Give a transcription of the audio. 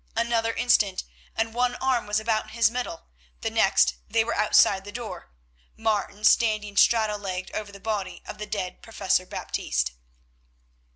Another instant, and one arm was about his middle, the next they were outside the door, Martin standing straddle legged over the body of the dead Professor Baptiste.